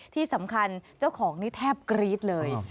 ที่สำคัญเจ้าของนี่แทบกรี๊ดเลย